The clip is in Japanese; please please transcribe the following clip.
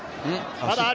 まだある。